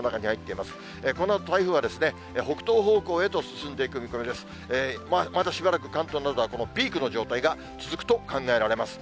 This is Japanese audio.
まだしばらく、関東などはこのピークの状態が続くと考えられます。